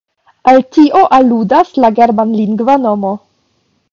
Al tio aludas la germanlingva nomo.